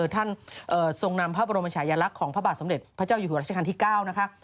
ท่านทรงนำพระบรมชายลักษณ์ของพระบาทสมเด็จพระเจ้าอยู่หัวราชการที่๙นะคะ